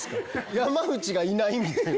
山内がいないみたいな。